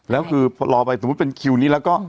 แล้วคือพอรอไปสมมุติเป็นคิวนี้แล้วก็